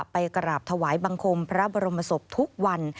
ไปกราบถวายบังคมพระบรมศพทุกวัน